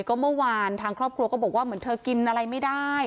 ก็เมื่อวานทางครอบครัวก็บอกว่าเหมือนเธอกินอะไรไม่ได้